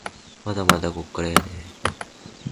まだまだこっからやでぇ